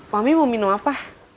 mami mau minum apa